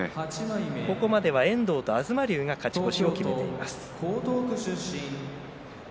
ここまで遠藤と東龍が勝ち越しを決めています。